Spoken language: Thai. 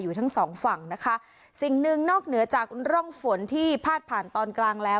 ทั้งสองฝั่งนะคะสิ่งหนึ่งนอกเหนือจากร่องฝนที่พาดผ่านตอนกลางแล้ว